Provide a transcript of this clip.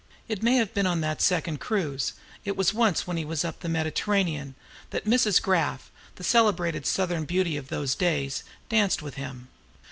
It may have been on that second cruise, it was once when he was up the Mediterranean, that Mrs. Graff, the celebrated Southern beauty of those days, danced with him.